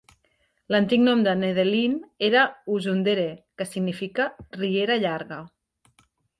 L'antic nom de Nedelino era "Uzundere" que significa "Riera llarga"...